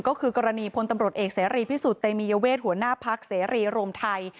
ก็คือกรณีพลตำรวจเอกเสรีพิสุทธิเตมียเวทหัวหน้าพักเสรีรวมไทย